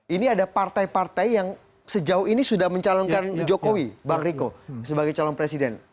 ini ada partai partai yang sejauh ini sudah mencalonkan jokowi bang riko sebagai calon presiden